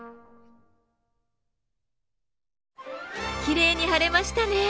きれいに貼れましたね。